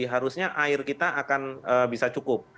harusnya air kita akan bisa cukup